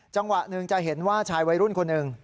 จังหวะหนึ่งจะเห็นว่าชายวัยรุ่นคนหนึ่ง